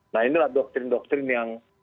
nah inilah doktrin doktrin yang